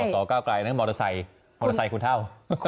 สตก้าวกรายมอเตอร์ไซค์คุณเท่า